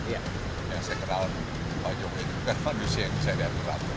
yang saya kenal pak jokowi itu bukan manusia yang bisa diatur atur